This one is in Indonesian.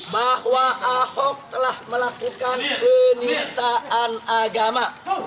bahwa ahok telah melakukan penistaan agama